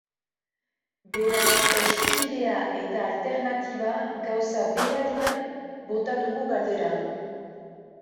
Beraz, eskubidea eta alternatiba gauza bera dira?, bota dugu galdera.